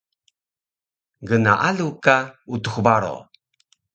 Gnaalu ka Utux Baro